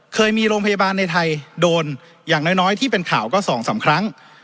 เคยมีโรงพยาบาลในไทยโดนอย่างน้อยที่เป็นข่าวก็๒๓ครั้ง